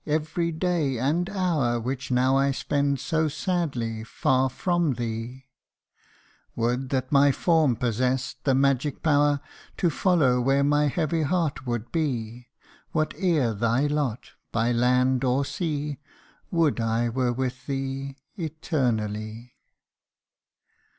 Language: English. every day and hour Which now I spend so sadly, far from thee Would that my form possessed the magic power To follow where my heavy heart would be ! Whatever thy lot by land or sea Would I were with thee eternally